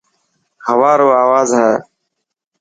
هوا رو آواز هي.